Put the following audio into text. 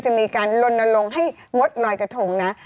จะมีการลนลงให้งดลอยกระทงนะ